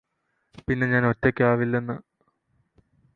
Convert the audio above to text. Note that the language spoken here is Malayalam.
പിന്നെ ഞാന് ഒറ്റയ്ക്കാവില്ലെന്ന്